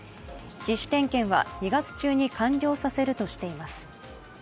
自主点検は２月中に完了させるとしています。